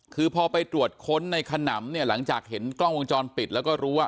คือพอไปตรวจค้นในขนำเนี่ยหลังจากเห็นกล้องวงจรปิดแล้วก็รู้ว่า